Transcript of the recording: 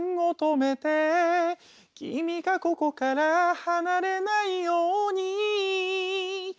「君がここから離れないように」